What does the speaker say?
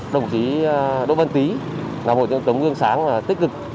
đồng chí đỗ vân tý là một trong những tổng ngương sáng tích cực